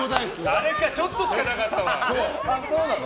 ちょっとしかなかったわ。